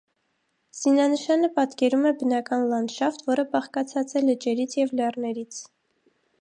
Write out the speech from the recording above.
Զինանշանը պատկերում է բնական լանդշաֆտ, որը բաղկացած է լճերից և լեռներից։